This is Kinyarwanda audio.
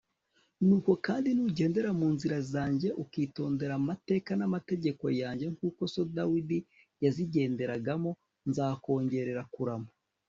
nuko kandi, nugendera mu nzira zanjye ukitondera amateka n'amategeko yanjye, nk'uko so dawidi yazigenderagamo, nzakongerera kurama